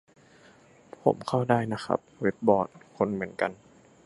ผมเข้าได้นะครับ เว็บบอร์ด คนเหมือนกัน